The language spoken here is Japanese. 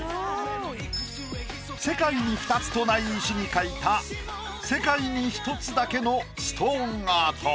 世界に２つとない石に描いた世界に１つだけのストーンアート。